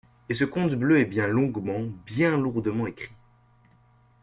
Et ce conte bleu est bien longuement, bien lourdement écrit.